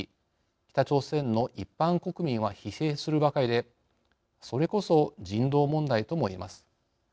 北朝鮮の一般国民は疲弊するばかりでそれこそ人道問題といえます。